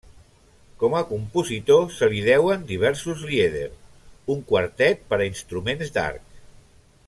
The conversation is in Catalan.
Com a compositor se li deuen diversos lieder un quartet per a instruments d'arc.